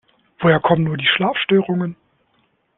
Woher kommen nur die Schlafstörungen?